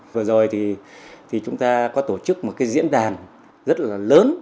vừa rồi thì chúng ta có tổ chức một cái diễn đàn rất là lớn